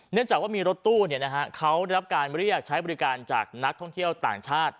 เนื่องจากว่ามีรถตู้เขาได้รับการเรียกใช้บริการจากนักท่องเที่ยวต่างชาติ